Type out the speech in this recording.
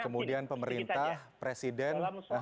kemudian pemerintah presiden